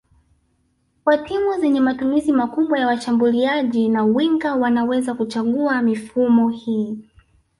Kwa timu zenye matumizi makubwa ya washambuliaji na winga wanaweza kuchagua mifumo hii